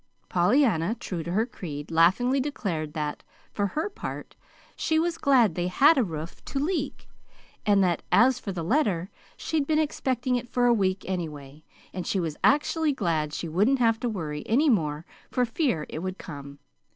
Pollyanna, true to her creed, laughingly declared that, for her part, she was glad they had a roof to leak; and that, as for the letter, she'd been expecting it for a week, anyway, and she was actually glad she wouldn't have to worry any more for fear it would come.